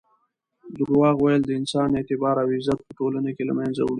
درواغ ویل د انسان اعتبار او عزت په ټولنه کې له منځه وړي.